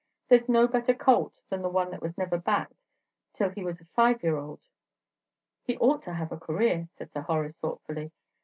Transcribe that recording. There's no better colt than the one that was never backed till he was a five year old." "He ought to have a career," said Sir Horace, thoughtfully.